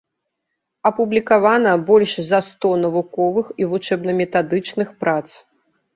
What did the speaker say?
Апублікавана больш за сто навуковых і вучэбна-метадычных прац.